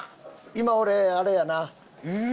今俺あれやな。